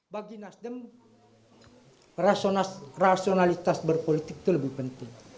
bagi nasdem rasionalitas berpolitik itu lebih penting